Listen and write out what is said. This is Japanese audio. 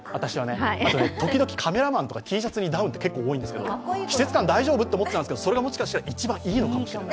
あとね、時々カメラマンってＴシャツにダウンって多いんですが季節感大丈夫って思ってたんですけど、もしかしたらそれが一番いいのかもしれない。